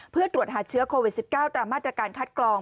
เพื่อตรวจหาเชื้อโควิด๑๙ตามมาตรการคัดกรอง